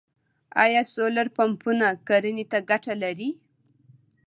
آیا سولر پمپونه کرنې ته ګټه لري؟